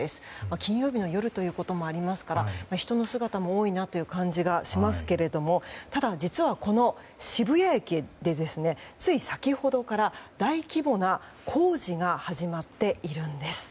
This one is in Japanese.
金曜日の夜ということもありますから人の姿も多いなという感じがしますがただ、実はこの渋谷駅でつい先ほどから大規模な工事が始まっているんです。